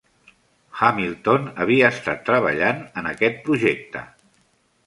Hamilton havia estat treballant en aquest projecte.